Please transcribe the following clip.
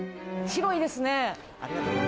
広いですね。